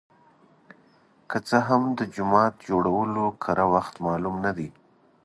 که څه هم د جومات د جوړولو کره وخت معلوم نه دی.